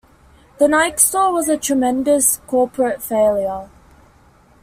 The Nike store was a tremendous corporate failure.